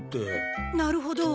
なるほど。